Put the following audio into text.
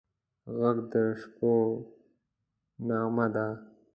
غږ د شپو نغمه ده